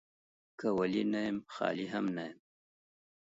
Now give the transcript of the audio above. که ولي نه يم ، خالي هم نه يم.